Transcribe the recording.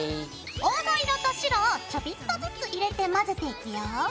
黄土色と白をちょびっとずつ入れて混ぜていくよ。